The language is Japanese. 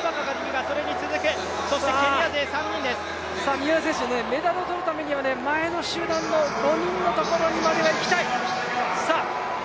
三浦選手、メダルを取るためには前の集団の５人のところまでにはいきたい。